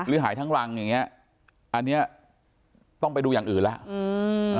หายทั้งรังอย่างเงี้ยอันเนี้ยต้องไปดูอย่างอื่นแล้วอืม